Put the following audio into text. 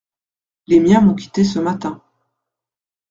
Les miens m'ont quitté ce matin.